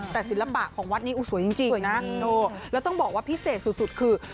แต่ศิลปะของวัดนี้สวยจริงนะแล้วต้องบอกว่าพิเศษสุดคือ